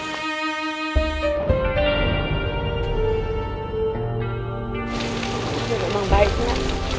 bisa berbicara baiknya